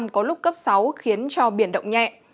có lúc cấp sáu khiến cho biển động nhẹ